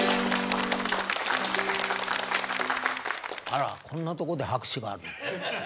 あらこんなとこで拍手があるの？